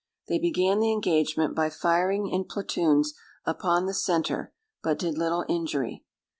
They began the engagement by firing in platoons upon the centre, but did little injury.